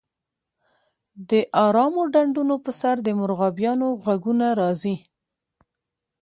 د ارامو ډنډونو په سر د مرغابیانو غږونه راځي